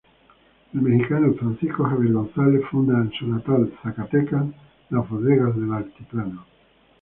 El mexicano Francisco Javier González funda en su natal Zacatecas las bodegas del Altiplano.